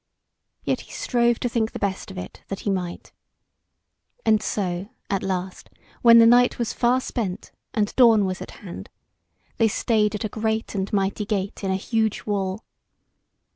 Yet he strove to think the best of it that he might. And so at last, when the night was far spent, and dawn was at hand, they stayed at a great and mighty gate in a huge wall.